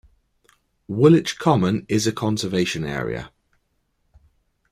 Woolwich Common is a conservation area.